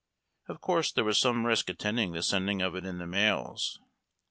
Of course there was some risk attending the sending of it in the mails.